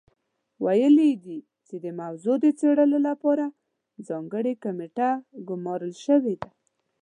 ویلي یې دي چې د موضوع د څېړلو لپاره ځانګړې کمېټه ګمارل شوې ده.